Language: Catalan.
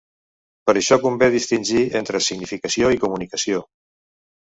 Per això convé distingir entre significació i comunicació.